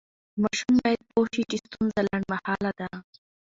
ماشوم باید پوه شي چې ستونزه لنډمهاله ده.